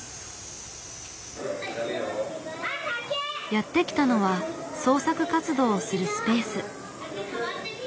やって来たのは創作活動をするスペース。